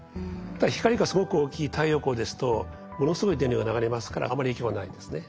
光がすごく大きい太陽光ですとものすごい電流が流れますからあまり影響はないんですね。